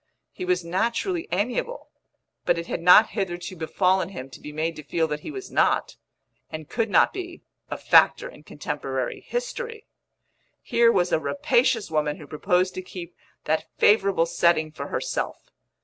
He was naturally amiable, but it had not hitherto befallen him to be made to feel that he was not and could not be a factor in contemporary history: here was a rapacious woman who proposed to keep that favourable setting for herself.